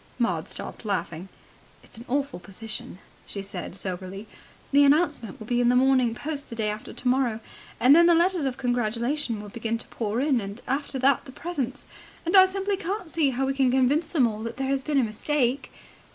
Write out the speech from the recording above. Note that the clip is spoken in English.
Maud stopped laughing. "It's an awful position," she said soberly. "The announcement will be in the Morning Post the day after tomorrow. And then the letters of congratulation will begin to pour in. And after that the presents. And I simply can't see how we can convince them all that there has been a mistake."